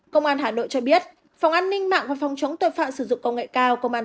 công an hà nội cho biết phòng an ninh mạng và phòng chống tội phạm sử dụng công nghệ cao công an